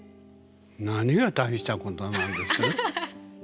何が大したことなんです？